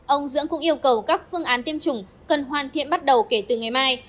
ông dưỡng cũng yêu cầu các phương án tiêm chủng cần hoàn thiện bắt đầu kể từ ngày mai